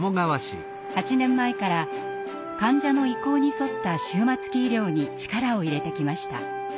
８年前から患者の意向に沿った終末期医療に力を入れてきました。